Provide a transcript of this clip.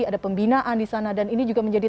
ada pembinaan disana dan ini juga menjadi